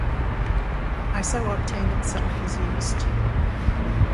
Iso-octane itself is used.